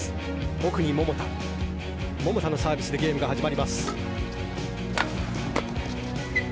奥に桃田、桃田のサービスでゲームが始まります。